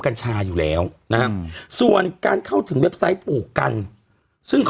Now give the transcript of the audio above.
อืมอืมอืมอืมอืมอืม